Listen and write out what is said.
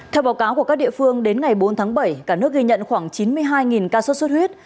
theo báo cáo của các địa phương đến ngày bốn tháng bảy cả nước ghi nhận khoảng chín mươi hai ca xuất xuất huyết